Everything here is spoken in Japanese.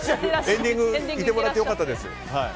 エンディング、いてもらえて良かったです。